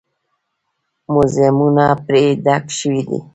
موزیمونه پرې ډک شوي دي.